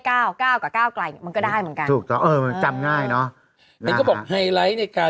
๙กับ๙กลายมันก็ได้เหมือนกัน